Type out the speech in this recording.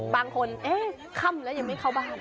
บางคนเอ๊ะค่ำแล้วยังไม่เข้าบ้าน